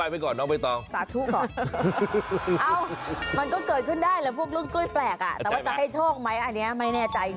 โปรดติดตามตอนต่อไป